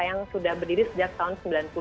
yang sudah berdiri sejak tahun sembilan puluh dua